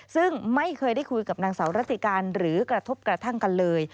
ซึ่งไม่เคยได้คุยกับนางสาวรัติการหรือกระทบกระทั่งกันเลย